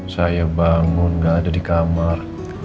saya bangun gak ada di kamar